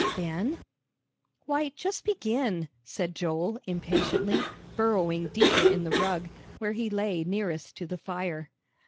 Ben " "Why, just begin," said Joel, impatiently, burrowing deeper in the rug, where he lay nearest to the fire.